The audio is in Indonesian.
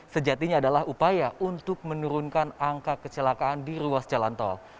sejatinya adalah upaya untuk menurunkan angka kecelakaan di ruas jalan tol